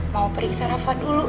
mau periksa raffa dulu